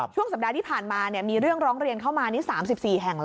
ช่วงสัปดาห์ที่ผ่านมามีเรื่องร้องเรียนเข้ามานี่๓๔แห่งแล้ว